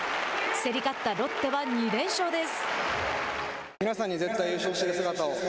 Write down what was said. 競り勝ったロッテは２連勝です。